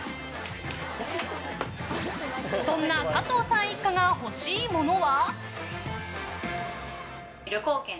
そんな佐藤さん一家が欲しいものは？